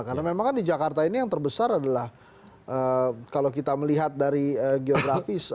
karena memang kan di jakarta ini yang terbesar adalah kalau kita melihat dari geografis